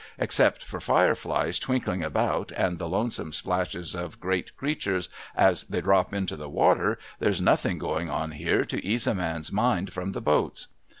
Except for fire flies twinkling about, and the lonesome splashes of great creatures as they drop into the water, there's nothing going on here to ease a man's mind from the boats.'